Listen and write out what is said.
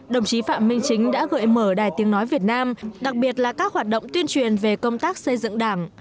đồng chí phạm minh chính đã gợi mở đài tiếng nói việt nam đặc biệt là các hoạt động tuyên truyền về công tác xây dựng đảng